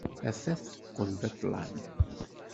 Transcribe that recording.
Tafat teqqel d ṭṭlam.